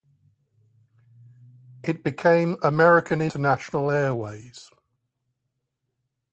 It became American International Airways.